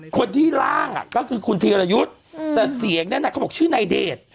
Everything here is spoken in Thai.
คนที่ร่างอ่ะก็คือคุณธีรายสแต่เสียงนั้นอ่ะคือชื่อไนเดร์